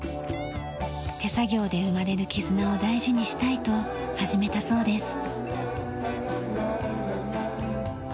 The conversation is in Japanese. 手作業で生まれる絆を大事にしたいと始めたそうです。